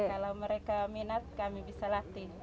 kalau mereka minat kami bisa latih